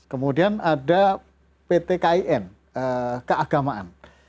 kemudian ada ptkin keagamaan